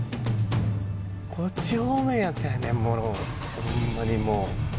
こっち方面やったんやねもろホンマにもう。